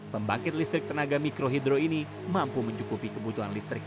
pembangkit listrik tenaga mikrohidro ini mampu mencukupi kebutuhan listrik